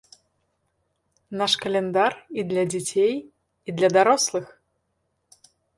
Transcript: Наш каляндар і для дзяцей, і для дарослых!